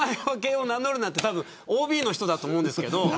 たぶんＯＢの人だと思うんですけど